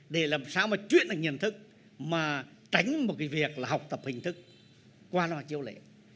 để làm sao mà chuyển thành nhận thức mà tránh một cái việc là học tập hình thức qua loa chiêu lệ